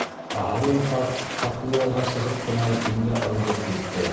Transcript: Ә Һарун ҡарт хаҡлы ялға сығып ҡына дингә ылығып китте.